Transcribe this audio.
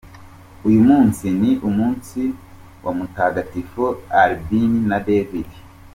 Uyu munsi ni umunsi wa Mutagatifu Albin na David.